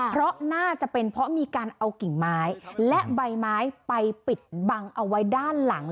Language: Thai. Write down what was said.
เพราะน่าจะเป็นเพราะมีการเอากิ่งไม้และใบไม้ไปปิดบังเอาไว้ด้านหลัง